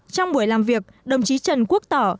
trong buổi làm việc đồng chí trần quốc tỏ